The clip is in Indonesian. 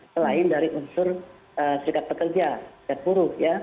selain dari unsur serikat pekerja serikat buruh ya